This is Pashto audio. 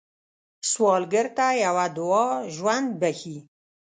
سوالګر ته یوه دعا ژوند بښي